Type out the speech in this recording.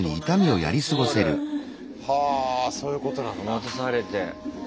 持たされて。